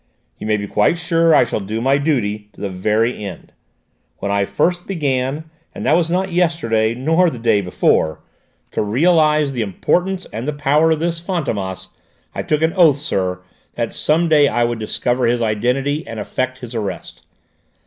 You may be quite sure I shall do my duty, to the very end. When I first began and that was not yesterday, nor yet the day before to realise the importance and the power of this Fantômas, I took an oath, sir, that some day I would discover his identity and effect his arrest!